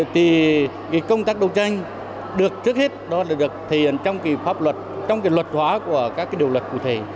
thì công tác đấu tranh được trước hết đó là được thể hiện trong pháp luật trong cái luật hóa của các điều luật cụ thể